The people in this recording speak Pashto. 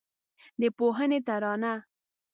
د پوهنې ترانه